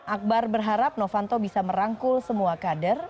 akbar berharap novanto bisa merangkul semua kader